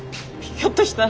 ひょっとしたら。